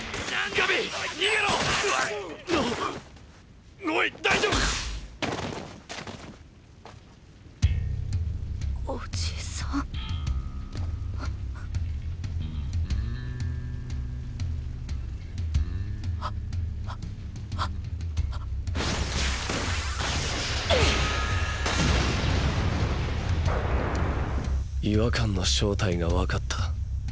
違和感の正体がわかった。